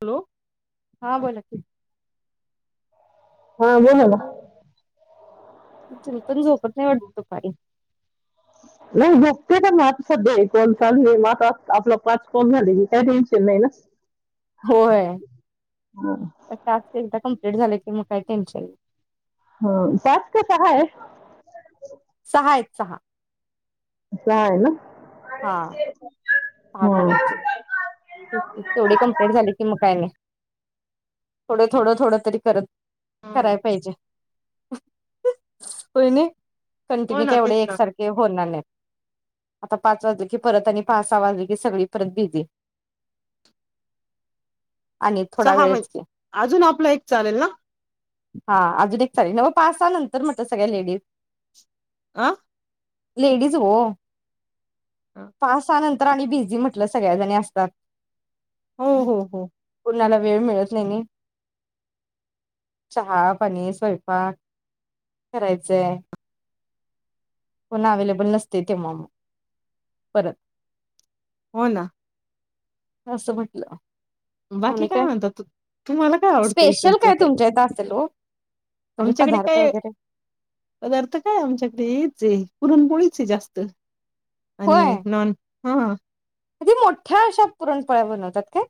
Hello हा बोला की. हा बोला ना तुम्ही पण झोपत नाही वाटत दुपारी. हो झोपते पण आता सध्या हे कॉल चालू म आता आपले पाच कॉल झाले की काय टेन्शन नाही ना. होय हा हे टास्क एकदा कमप्लीट झाले की मग काय टेन्शन हो पाच का सहा आहे? सहा आहेत सहा. अस आहे ना? अरे ते हा करायचे तेच की तेवढं कंप्लीट झालं की म काय नाही थोडं थोडं थोडं तरी कर कराय पाहिजे होय नाही कंटिन्यू तेवढे एकसारखे होणार नाही आता पाच वाजले कि परत आणि पा सहा वाजले की सगळी परत बिझी आणि थोडा सहा मई वेळच की अजून आपला एक चालेल ना हा अजून एक चालेल न्हव पाससहा नंतर म्हटल सगळ्या लेडीज आ.. लेडीज ओ अजून पास सहा नंतर आणि बिझी म्हटलं सगळ्याजनी अस सात हो हो हो कोणाला वेळ मिळत नाही नई चहा, पाणी स्वयंपाक करायचंय कोण अवेलेबल नसते तेव्हा मग परत? हो ना असं म्हटलं बाकी काय म्हणता? तुम्हाला काय? आवडतं स्पेशल इकडचं काय? तुमच्या इथं असेल ओ म्हणजे आमच्याकडे पदार्थ काय वगैरे पदार्थ काय? आमच्याकडे येच आहे पुरून पोळीचे जास्त आणि नॉन हा की मोठ्या अशा पुरणपोळ्या बनवतात काय?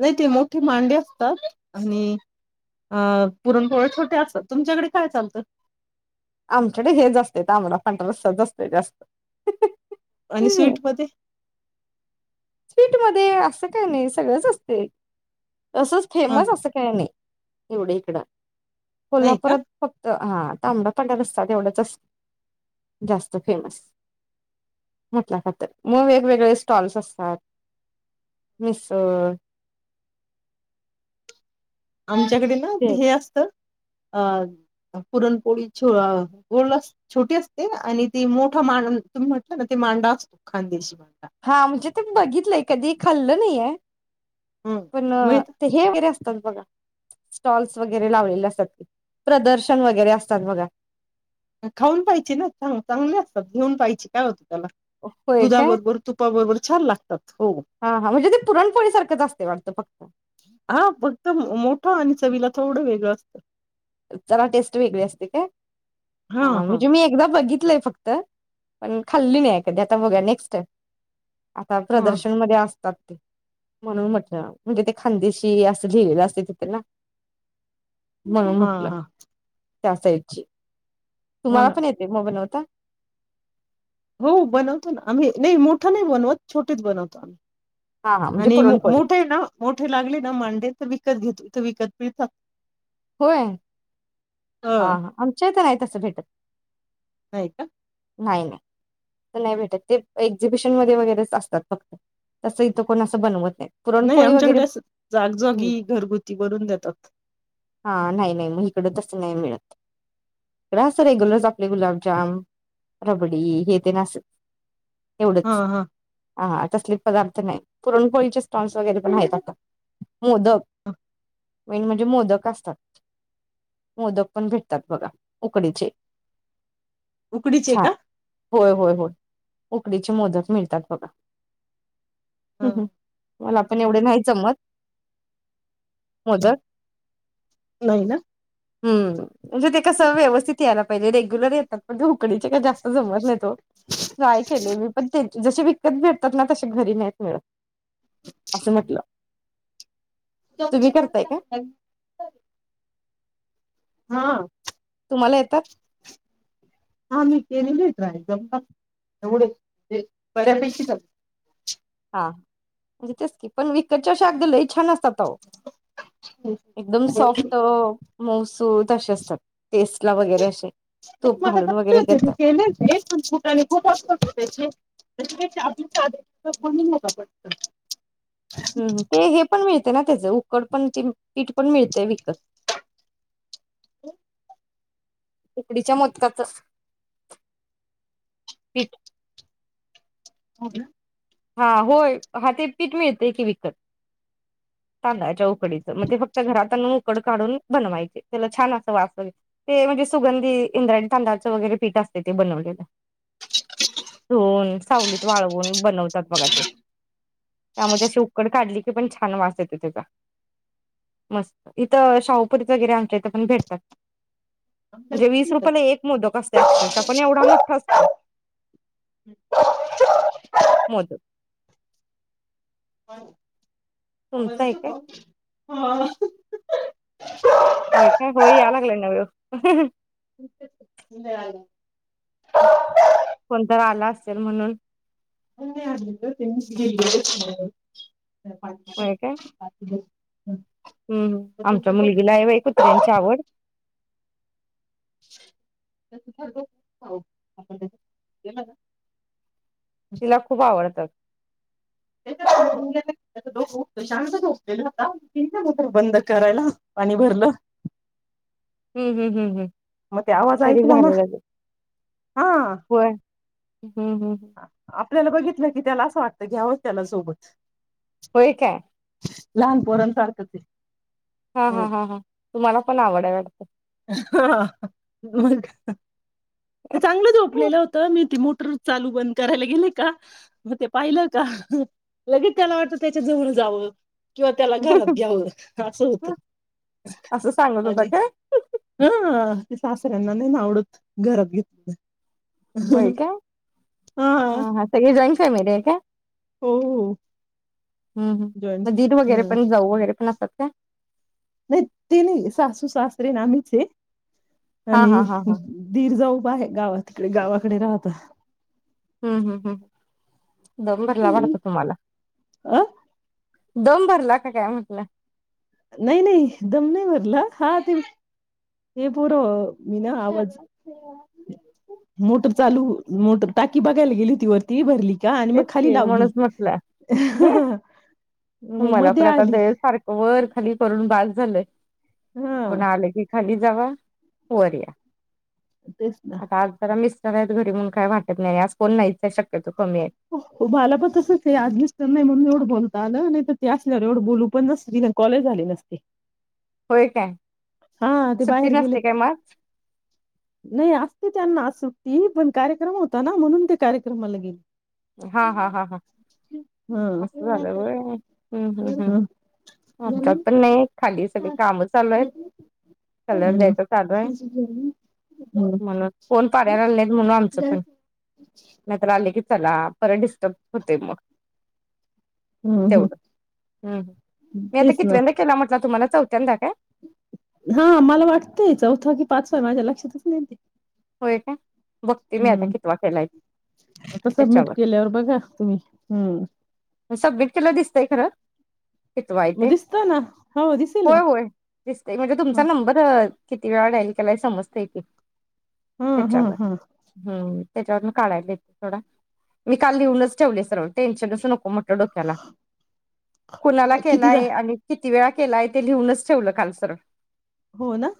नाही ते मोठे मांडे असतात आणि अ पुरणपोळे छोटे असतात तुमच्याकडे काय चालतं? आमच्याकडे हे जास्त तांबडा पांढरा रस्सा जास्त जास्त आणि स्वीटमध्ये स्वीट मध्ये अस काय नाही? सगळंच असते तसंच हां, फेमस असं काही नाही एवढे इकड नाही का? कोल्हापुरात फक्त हा तांबड पांढर रस्सा एवढंच अस जास्त फेमस म्हंटलासा तर मग वेगवेगळे स्टॉल्स असतात मिसळ आमच्याकडे ना ते हे असतं अ- पुरणपोळी छो- छोटी असते आणि ते मोठा मांड तुम्ही म्हटलं ना ते मांडा असतो खांदेशी मांडा हा म्हणजे ते बघितलंय कधी खाल्ल नाही आहे हं, पण मिळतं. ते हे वगैरे अस [unintelligible] बघा स्टॉल्स वगैरे लावलेले असतात प्रदर्शन वगैरे असतात बघा खाऊन पाहिजे ना चां चांगले असतात घेऊन पाहिजे काय होते होय काय दुधाबरोबर तूपाबरोबर छान लागतात हो हा हा म्हणजे ते पुरणपोळी सारखंच असते वाटतं फक्त हा फक्त मोठ आणि चवीला थोडं वेगळं असतं जरा टेस्ट वेगळी असते का हां, हा हां. म्हणजे मी एकदा बघी बघीतलय फक्त पण खाल्ली नाही कधी आता बघ नेक्स्ट टाईम आता हां, प्रदर्शनमध्ये असतात म्हणून म्हटलं म्हणजे ते खांदेशी असं लिहिलेलं असते तिथे ना [inaudible] हा हा त्यासाईझ ची तुम्हाला पण येते मोबाईल लावता हो बनवतो ना आम्ही नाही मोठं नाही बनवत छोटेच बनवतो आम्ही हा हा म्हणजे आणि पुरणपोळी मोठे ना मोठे लागले ना मांडे विकत घेतो इथं विकत मिळतं होय हा हा आमच्याहित हाय तस भेटत होय का. नाही नाही तर नाही भेटत ते एक्झिबिशन मध्ये वगैरेच असतात फक्त तसं इथं कोण असं बनवत नाही नाही पुरणपोळी वगैरे आमच्याकडे असं जागजोगी घरगुती बनवून देतात हित नाही मिळात असं रेगुलर आपले गुलाबजाम रबडी हे ते अस हा एवढंच हा हा. तसले पदार्थ नाही पुरणपोळीचे स्टॉल्स वगैरे पण आहेत आता मोदक ह मेन म्हणजे मोदक असतात मोदक पण भेटतात बघा उकडीचे उकडीचे छान का होय होय होय उकडीचे मोदक मिळतात बघा. ह हम् हम् मला पण एवढे नाही जमत मोदक नाही ना हम्म म्हणजे ते कस व्यवस्थित यायला पाहिज रेग्युलर येतात मला उकडीचे काय जास्त जमत नाहीत तो, नाही केले मी पण तेच जसे वि कत भेटतात ना तसे घरी नाही मिळत असं म्हटलं तुम्ही करताय का? [inaudible] हा तुम्हाला येतात हा मि केलेलेत [inaudible] [unintelligible] छान असतात आओ एकदम सॉफ्ट नाही मऊ सुत अशे असतात टेस्टला वगैरे असे. तूप मला घालून वगैरे जमतात मि देतात केलेय पण कुटाणे खुप असतात ओ त्याचे [unintelligible] हम्म हम्म ते हे पण मिळत ते ना त्याच उकड पण पिठ पण मिळत विकत [inaudible] उकडीच्या मोदकाच अस पिठ हो का हा होय ते पिठ मिळतय की विकत तांदळाच्या उकडीच म ते फक्त घरात आणुन उकड काढुन बनवायच त्याला छान अस वाफवुन ते म्हणजे सुंगधी इंद्रायनी तांदळाच वगैरे पिठ असत ते बनवलेले धुवुन सावलीत वाळवून ते बनवत बघा ते त्यामध्ये अशी उकड काढली का पण छान वास येतो त्याचा इथ शाहुगीरी आमच्या इथ पण भेटतात म्हणजे आमच्याकडे वीस नाही तसं. रुपयाला एक मोदक असतो ते अक्षरशः पण एवढा मोठा असतो [inaudible] आवाज तुमचा आहे येतो काय काओ हो ह [inaudible] होय काय होय यायला लागलायना व्यवस्थित हाह ह [inaudible] कोणीतरी आल असेल म्हणुन, [unintelligible] [inaudible] [inaudible] हंम्म हंम्म आमच्या मुलगिला आहे बाई कुत्र्यां ची आवड [inaudible] तिला खूप आवडतात शांत झोपलेला होता बन्द करायला पाणि भरलं हंम्म हंम्म हम्म मग ते आवाज तरी ऐकला ना झालेलं आहे. हा होय [inaudible] आपल्याला बघितलं की त्याला असं वाटतं घ्यावं त्याला सोबत होय काय लहान पोरां सारख हा हा हा हा तुम्हाला पण आवडय वाटतं? हा मग ते चांगलं झोपलेलं होतं मी ते मोटर चालू बंद करायला गेले का मग ते पाहिलं का लगेच त्याला वाटत त्याच्या जवळ जावं किंवा त्याला घरात घ्यावं असं होत असं सांगत अज होता काय हा ते सासऱ्यांना नाही ना आवडत घरात घेतलं होय काय? ह हा सगळी जॉईन फॅमिली आहे काय? हम्म हो हो हम जॉईंट म दीर ह वगैरे पण जाऊ वगैरे पण असतात का? नाही ते नाही सासू, सासरे, नी आम्हीच आहे हा हा आणि हा हा दीर जाऊ खूप आहे गावा तिकडे गावाकडे राहत हम्म हम्म हम् दम भरला वाटत तुम्हाला? अ दम भरला का? काय? म्हटलं नाही नाही दम नाही भरला हा ते हे पोर मी ना आवाज मोटर चालू मोटर टाकी बघायला गेली होती वरती भरली का आणि मग तेच खाली की लावली म्हणूनच म्हटलं मग मध्ये मलापण आता आली द सारखं वर खाली करून बास झालंय हा कोणा आले की खाली? जावा वर या तेच ना आता आज जरा मीच [unintelligible] घरी म्हणून काय वाटत नाही आज कोण नाहीच शक्यतो कमी आहे मला पण तसंच आहे आज मिस्टर नाही म्हणून एवढं बोलता आलं नाही तर ते असल्यावर एवढं बोलू पण नसते कॉल ही झाले नसते. होय काय? हा ते सुट्टी बाहेर गेले नसते काय मग? नाही असते त्यांना सुट्टी पण कार्यक्रम होता ना म्हणून ते कार्यक्रमाला गेले हा हा हम्म हा हा हम्म असं झालं व्हय हम्म हम्म हम् आमच्या नाय खाली सगळे काम चालू हायत कलर द्यायचा चालू आहे म्हणून कोण पाड्या रा आ नाहीत म्हणून आमचं पण नाहीतर आले की चला पर डिस्टर्ब होते मग हम्म तेवढं हम मी आता तेच ना कितवेंदा केला म्हटला तुम्हाला? त चौथ्यांदा का? हा मला वाटतय चौथं कि पाचवा माझ्या लक्षातच नाही ते होय का? हम्म आता सबमिट त्याच्यावर केल्यावर बघा तुम्ही हम्म सबमिट केलं दिसतंय खरं कितवा मग ते दिसत ना हो दिसेल होय ना. होय दिसते म्हणजे तुमचा ह नंबर किती वेळा डाईल केलाय समजता येथे हा हा हेच्यावर हा. हम्म त्याच्यावरून काढायलय थोडा मी काल लिहूनच ठेवले सर्व टेन्शनच नको म्ह डोक्याला कुणाला कितीदा केलाय आणि की किती वेळा केलाय ते लिहूनच ठेवल काल सरळ हो ना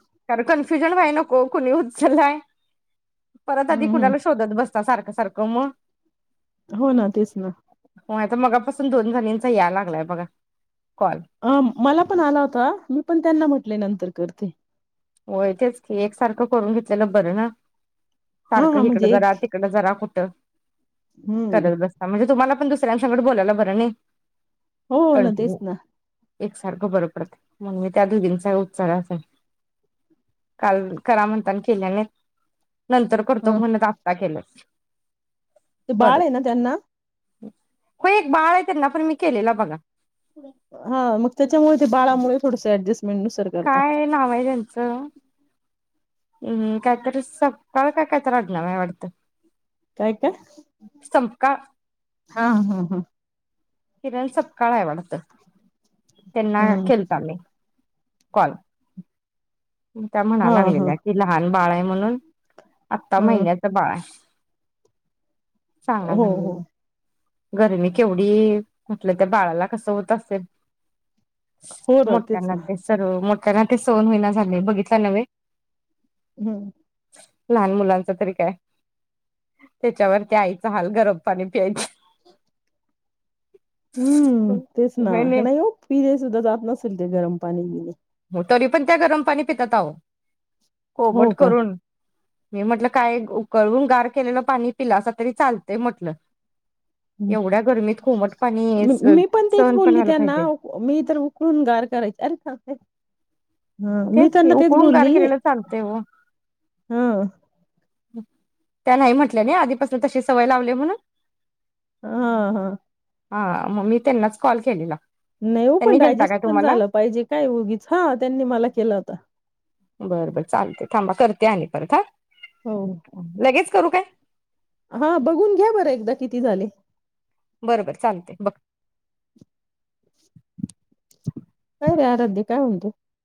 फ्युजल व्हाय नको कोणी होद् चलाय परत आधी हम्म कुणाला हम्म शोधत बस का सारख सारख म हो ना तेच ना होय आता मगापासून दोन जणींचा या लागलाय बघा. कॉल अ मला पण आला होता मी पण त्यांना म्हटले नंतर करते होय तेच की एक सारख करून घेतलेल बर ना? हा सारख हा हिकड म्हणजे जरा एक तिकड जरा कु [inaudible] हम्म. करत बसता म्हणजे तुम्हाला आपण दुसऱ्यांसंगट बोलायला बर नायी हो हो ना तेच ना एकसारख बर पडतय म्हणुन मी त्या दोघी चा उचालाचा काल करा म्हणताना केल्यानाय नंतर करतो हा. म्हणत आता केलस ते बाळ आहे ना त्यांना हो एक बाळय त्यांना पण मी केलेला बघा हा मग त्याच्यामुळे ते बाळामुळे थोडस ऍडजस् काय नाव आहे त्यांच हूं काहीतरी सपकाळ का काय कायतरी आडनाव आहे वाटत रिकामा ऑडिओ [inaudible] संंपका हा हा हा किरण सपकाळ आहे वाडत त्यांना हा. केलता मी [inaudible] त्या म्हणा हा हा. लागलेल्या की लहान बाळाय म्हणून आत्ता हा. महिन्याच बाळ आहे चांगला हो हो झालेला गरमी केवढी म्हटल त्या बाळाला कसं होत असेल हो ना तेच मोठ्यांना ना. ते सर्व तेला ते सहन होईना झालय बघितला नव्हे हम्म लहान मुलांच तरी काय त्याच्यावरती आईचा हाल गरम पाणी पियचं हम्म तेच ना नाही हो पिले सुद्धा जात नसेल ते गरम पाणी नाही ओ तरी पण त्या गरम पाणी पितात आहो हो कोमट का करून मी म्हटलं काय उकळून गार केलेलं पाणी पिला अस तरी चालतंय म्हटलं एवढ्या गरमीत कोमट पाणी मी पण तेच सहन बोलली व्हायला त्यांना पाहिजे मी तर उकळून गार करायचे अरे खय ह मी की त्यांना तेच उकळून गार बोल्ली केलेलं चालतंय ओ हा त्या नाही म्हटल्या नाही आधीपासून तशी सवय लावली म्हणून हा हा हा मग मी त्यांनाच कॉल केलेला नाही हो त्यांनी पण केलता डायजेस्ट काय पण तुम्हाला झालं पाहिजे काय उगीच हा त्यांनी मला केला होता बर बर चालते थांबा करते आली परत हा हो लगेच करू काय? हा बघून घ्या बरं एकदा किती झाले? बरोबर चालते बघ काय रे आराध्या काय म्हणते?